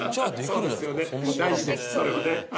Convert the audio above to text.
そうですよね。